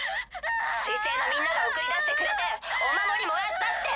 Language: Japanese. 水星のみんなが送り出してくれてお守りもらったって。